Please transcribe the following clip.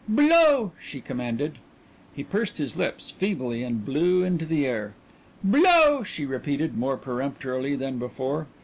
"Blow!" she commanded. He pursed his lips feebly and blew into the air. "Blow!" she repeated, more peremptorily than before.